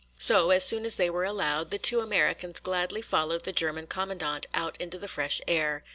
So, as soon as they were allowed, the two Americans gladly followed the German commandant out into the fresh air.